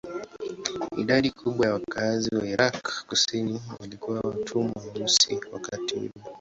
Idadi kubwa ya wakazi wa Irak kusini walikuwa watumwa weusi wakati ule.